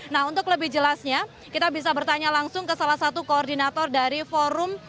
nah untuk lebih jelasnya kita bisa bertanya langsung ke salah satu koordinator dari forum